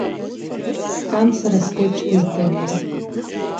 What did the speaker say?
Кан сара схеиԥш дыздыруеит.